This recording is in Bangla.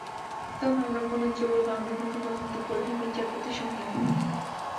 তবে আমরা পুনশ্চ বলব, আমরা কিন্তু প্রধানত প্রধান বিচারপতির সঙ্গেই একমত।